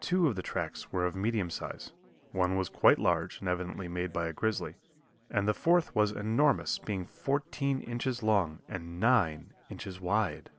Two of the tracks were of medium size, one was quite large and evidently made by a grizzly, and the fourth was enormous, being fourteen inches long and nine inches wide.